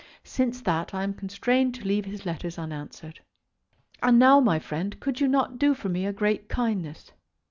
Since that I am constrained to leave his letters unanswered. And now, my friend, could you not do for me a great kindness?